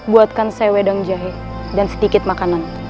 buatkan sewedang jahe dan sedikit makanan